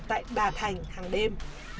tại đà thành hàng đêm